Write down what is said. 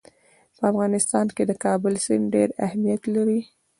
په افغانستان کې د کابل سیند ډېر اهمیت لري.